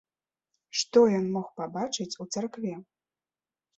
Што ён мог пабачыць у царкве?